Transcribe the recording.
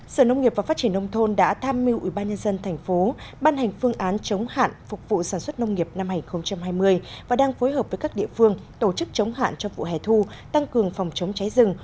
sở nông nghiệp và phát triển nông thôn đã tham mưu ủy ban nhân dân thành phố ban hành phương án chống hạn phục vụ sản xuất nông nghiệp năm hai nghìn hai mươi và đang phối hợp với các địa phương tổ chức chống hạn trong vụ hẻ thu tăng cường phòng chống cháy rừng